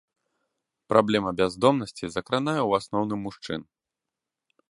Праблема бяздомнасці закранае ў асноўным мужчын.